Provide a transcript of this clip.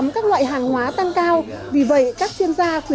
các loại hàng hóa tăng cao